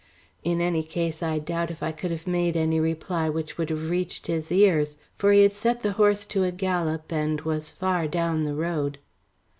In any case I doubt if I could have made any reply which would have reached his ears. For he had set the horse to a gallop and was far down the road.